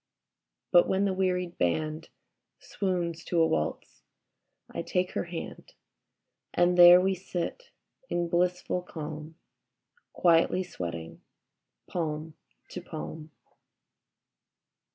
... But when the wearied Band Swoons to a waltz, I take her hand. And there we sit in blissful calm. Quietly sweating palm to palm.